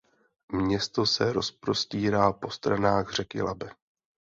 Město se rozprostírá po stranách řeky Labe.